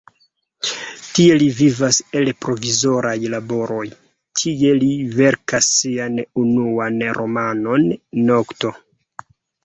Tie li vivas el provizoraj laboroj, tie li verkas sian unuan romanon "Nokto".